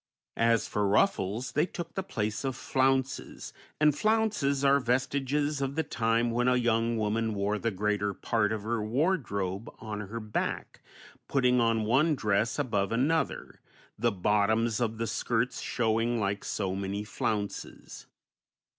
As for ruffles, they took the place of flounces, and flounces are vestiges of the time when a young woman wore the greater part of her wardrobe on her back, putting on one dress above another, the bottoms of the skirts showing like so many flounces.